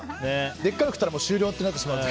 でっかいの食ったら終了ってなってしまうので。